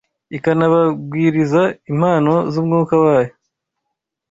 ikanabagwiriza impano z’Umwuka wayo